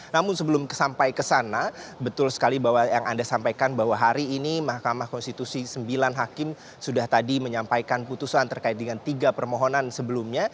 namun sebelum sampai ke sana betul sekali bahwa yang anda sampaikan bahwa hari ini mahkamah konstitusi sembilan hakim sudah tadi menyampaikan putusan terkait dengan tiga permohonan sebelumnya